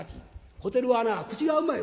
「小照はな口がうまい。